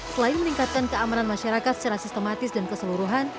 selain meningkatkan keamanan masyarakat secara sistematis dan keseluruhan